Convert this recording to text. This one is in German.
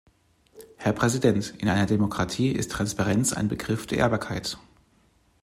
Herr Präsident! In einer Demokratie ist Transparenz ein Begriff der Ehrbarkeit.